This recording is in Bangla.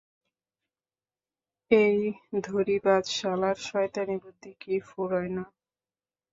এই ধড়িবাজ শালার শয়তানী বুদ্ধি কি ফুরোয় না?